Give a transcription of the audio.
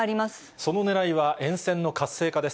そのねらいは、沿線の活性化です。